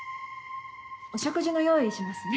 お食事の用意しますね。